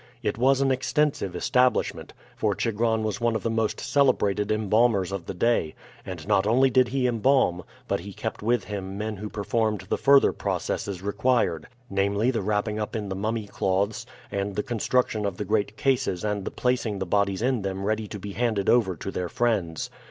It was an extensive establishment, for Chigron was one of the most celebrated embalmers of the day; and not only did he embalm, but he kept with him men who performed the further processes required, namely, the wrapping up in the mummy cloths, and the construction of the great cases and the placing the bodies in them ready to be handed over to their friends.